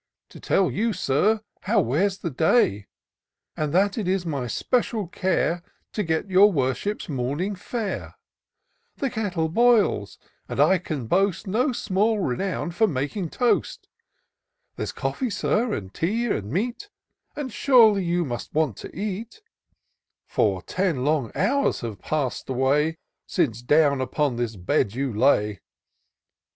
" To tell you. Sir, how wears the day ; And that it is my special care To get your worship's morning fare. The kettle boils, and I can boast No small renown for making toast. There's coffee, Sir, and tea, and meat. And surely you must want tp eat ;\ IN SEARCH OF THE PICTURESQUE. For ten long hours have pass'd away, Since down upon this bed you lay!"